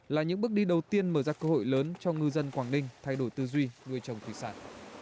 là những bước đi đầu tiên mở ra cơ hội lớn cho ngư dân quảng ninh thay đổi tư duy nuôi trồng thủy sản